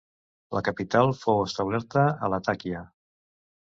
La capital fou establerta a Latakia.